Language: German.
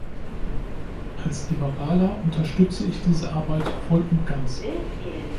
Als Liberaler unterstütze ich diese Arbeit voll und ganz.